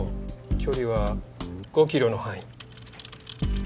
距離は５キロの範囲。